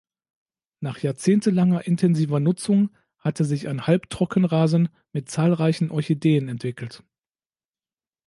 Nach jahrzehntelanger extensiver Nutzung hatte sich ein Halbtrockenrasen mit zahlreichen Orchideen entwickelt.